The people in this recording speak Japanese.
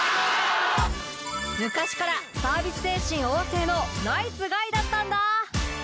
昔からサービス精神旺盛のナイスガイだったんだ。